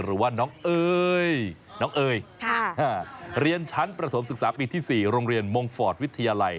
หรือว่าน้องเอ่ยเรียนชั้นมัธยมศึกษาปีที่๔โรงเรียนมงฟอร์ตวิทยาลัย